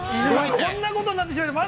◆こんなことになってしまいました。